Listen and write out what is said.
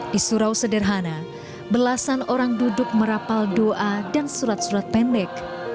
di surau sederhana belasan orang duduk merapal doa dan surat surat pendek